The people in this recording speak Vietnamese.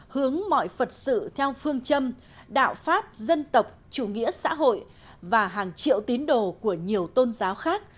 hướng mọi phật sự theo phương châm đạo pháp dân tộc chủ nghĩa xã hội và hàng triệu tín đồ của nhiều tôn giáo khác